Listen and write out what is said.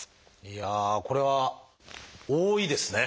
いやあこれは多いですね。